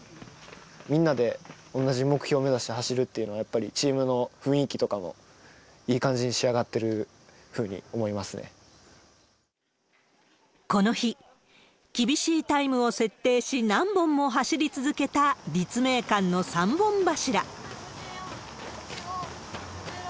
みんなで同じ目標目指して走るっていうのが、やっぱりチームの雰囲気とかもいい感じに仕上がってるっていうふこの日、厳しいタイムを設定し、何本も走り続けた、立命館の３本柱。